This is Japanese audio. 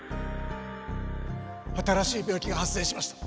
新しい病気が発生しました。